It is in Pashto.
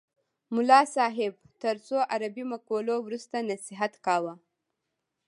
ملا صاحب تر څو عربي مقولو وروسته نصیحت کاوه.